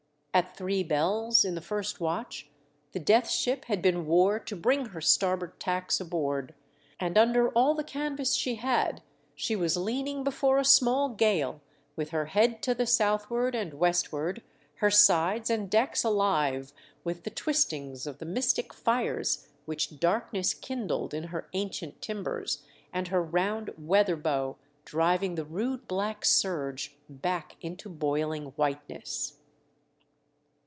At three bells in the first watch the Death Ship had been wore to bring her starboard tacks aboard, and under all the canvas she had she was leaning before a small gale with her head MY LIFE IS ATTEMPTED. 313 to the southward and westward, her sides and decks alive with the twistings of the mystic fires which darkness kindled in her ancient timbers, and her round weather bow driving the rude black surge back into boiling white ness.